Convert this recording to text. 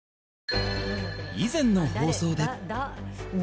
以前の放送で